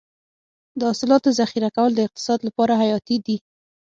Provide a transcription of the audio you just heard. د حاصلاتو ذخیره کول د اقتصاد لپاره حیاتي دي.